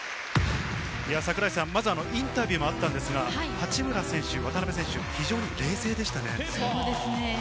まずインタビューにもあったんですが八村選手、渡邊選手、非常に冷静でしたね。